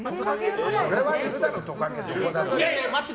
それはいるだろ、トカゲどこだって。